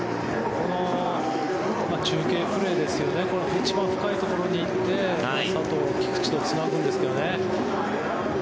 この中継プレーですよね一番深いところに行って佐藤、菊池とつなぐんですけどね。